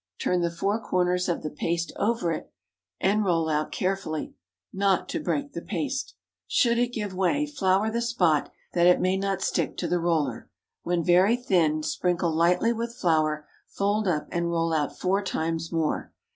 Turn the four corners of the paste over it, and roll out carefully, not to break the paste. Should it give way, flour the spot, that it may not stick to the roller. When very thin, sprinkle lightly with flour, fold up, and roll out four times more.